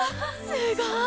すごい！